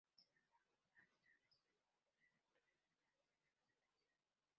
Sin embargo, Harrison recibió un voto electoral más grande y ganó las elecciones.